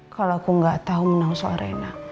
kalau aku gak tahu menang soal rena